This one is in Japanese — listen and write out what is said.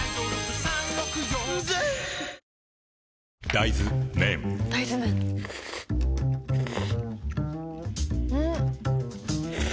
大豆麺ん？